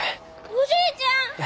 おじいちゃん！